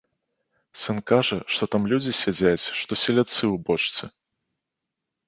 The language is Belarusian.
Сын кажа, што там людзі сядзяць, што селядцы ў бочцы.